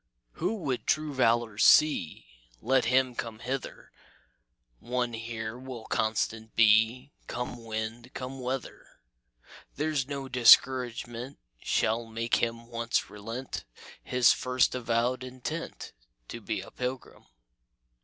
"Who would true valor see, Let him come hither; One here will constant be, Come wind, come weather; There's no discouragement Shall make him once relent His first avowed intent To be a pilgrim.